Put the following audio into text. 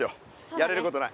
やれることない。